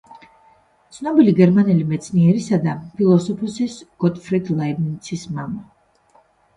ცნობილი გერმანელი მეცნიერისა და ფილოსოფოსის გოტფრიდ ლაიბნიცის მამა.